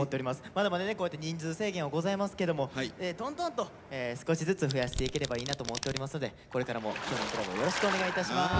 まだまだねこうやって人数制限はございますけどもどんどんと少しずつ増やしていければいいなと思っておりますのでこれからも「少年倶楽部」をよろしくお願いいたします。